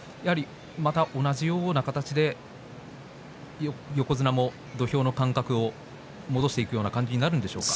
同じような形で横綱も土俵の感覚を戻していくような感じになるんでしょうか？